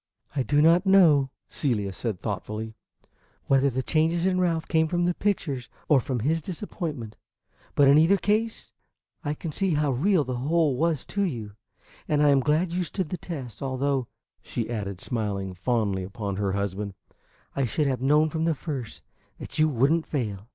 "I do not know," Celia said thoughtfully, "whether the changes in Ralph came from the pictures or from his disappointment; but in either case I can see how real the whole was to you, and I am glad you stood the test; although," she added, smiling fondly upon her husband, "I should have known from the first that you would n't fail."